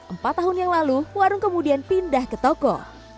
empat tahun yang lalu warung kemudian pindah ke toko